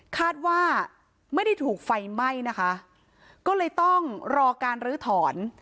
คาดว่าไม่ได้ถูกไฟไหม้นะคะก็เลยต้องรอการลื้อถอน